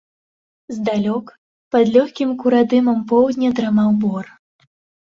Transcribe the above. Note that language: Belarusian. Здалёк, пад лёгкім курадымам поўдня, драмаў бор.